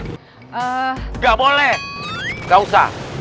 eeeh gak boleh gak usah